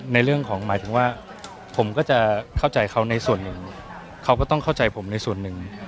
ในเรื่องของหมายถึงว่าผมก็จะเข้าใจเขาในส่วนหนึ่งเขาก็ต้องเข้าใจผมในส่วนหนึ่ง